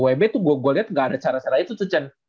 wb tuh gue liat gak ada cara cara itu tuh cen